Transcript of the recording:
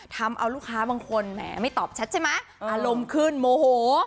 ทำเอาลูกค้าบางคนแหมไม่ตอบชัดใช่ไหมอารมณ์ขึ้นโมโห